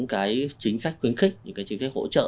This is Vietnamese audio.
chính sách khuyến khích những cái chính sách hỗ trợ